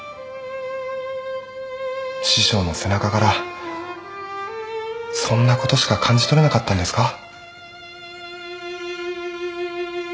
師匠の背中からそんなことしか感じ取れなかったんですか？